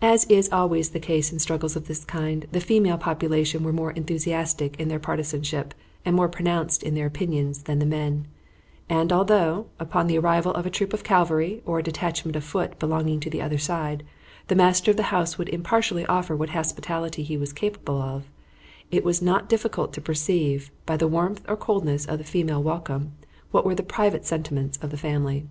As is always the case in struggles of this kind, the female population were more enthusiastic in their partisanship and more pronounced in their opinions than the men; and although, upon the arrival of a troop of cavalry or a detachment of foot belonging to the other side, the master of the house would impartially offer what hospitality he was capable of, it was not difficult to perceive, by the warmth or coldness of the female welcome, what were the private sentiments of the family.